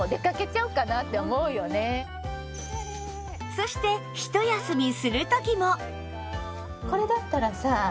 そしてひと休みする時も